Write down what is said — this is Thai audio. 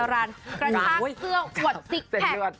กระทร้างเสื้อบดซิกแพค